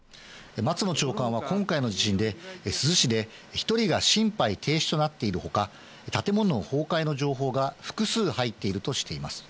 松野長官は、今回の地震で、珠洲市で１人が心肺停止となっているほか、建物倒壊の情報が複数入っているとしています。